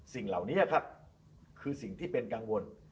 สิ่งเหล่านี้ครับคือสิ่งที่เป็นกังวล